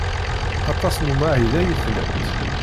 Aṭas n umahil ay tlamt?